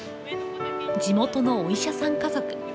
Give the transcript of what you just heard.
地元のお医者さん家族。